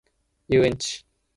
遊園地